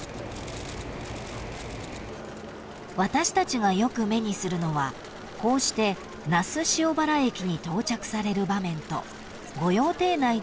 ［私たちがよく目にするのはこうして那須塩原駅に到着される場面と御用邸内での散策のみ］